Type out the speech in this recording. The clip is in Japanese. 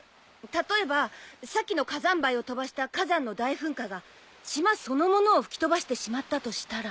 例えばさっきの火山灰を飛ばした火山の大噴火が島そのものを吹き飛ばしてしまったとしたら。